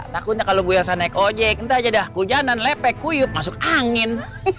takutnya kalau bu elsa naik ojek entah aja dah kehujanan lepek kuyuk masuk angin